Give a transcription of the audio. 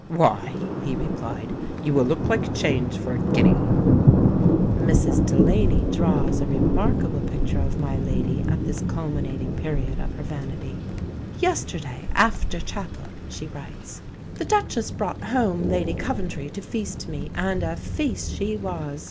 "Why," he replied, "you will look like change for a guinea." [Illustration: MARIA, COUNTESS OF COVENTRY] Mrs Delany draws a remarkable picture of my lady at this culminating period of her vanity. "Yesterday after chapel," she writes, "the Duchess brought home Lady Coventry to feast me and a feast she was!